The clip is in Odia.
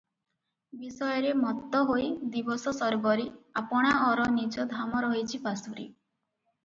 ବିଷୟରେ ମତ୍ତ ହୋଇ ଦିବସଶର୍ବରୀ, ଆପଣାଅର ନିଜ ଧାମ ରହିଛି ପାସୋରି ।